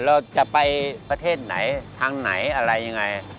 เราจะไปประเทศไหนทางไหนอะไรยังไง